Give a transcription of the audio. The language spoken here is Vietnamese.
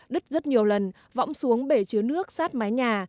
đứt rất nhiều lần võng xuống bể chứa nước sát mái nhà